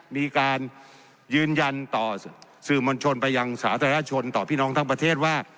มีการยืนยันต่อสื่อมวลชนไปยังสาธารณชนต่อพี่น้องทั้งประเทศว่า